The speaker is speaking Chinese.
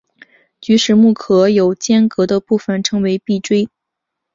菊石目壳有间隔的部份称为闭锥。